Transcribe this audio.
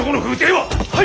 はい！